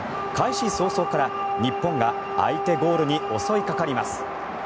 開始早々から日本が相手ゴールに襲いかかります。